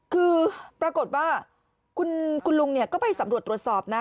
คือปรากฏว่าคุณลุงก็ไปสำรวจตรวจสอบนะ